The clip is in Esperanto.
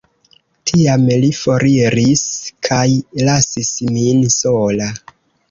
Tiam li foriris kaj lasis min sola.